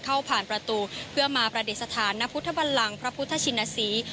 เข้าผ่านประตูเพื่อมาประเด็นสถานณพุทธบัลลังค์พระพุทธชิณศรี